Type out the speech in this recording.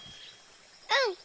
うん！